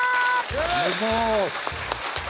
お願いします。